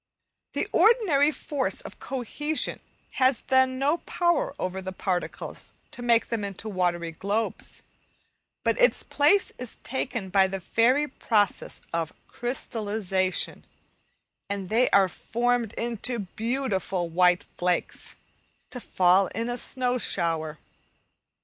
The ordinary force of cohesion has then no power over the particles to make them into watery globes, but its place is taken by the fairy process of "crystallization," and they are formed into beautiful white flakes, to fall in a snow shower.